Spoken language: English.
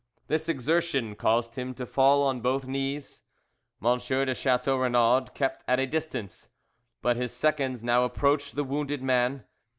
This exertion caused him to fall on both knees. M. de Chateau Renaud kept at a distance, but his seconds now approached the wounded man.